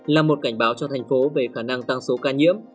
là một cảnh báo cho thành phố về khả năng tăng số ca nhiễm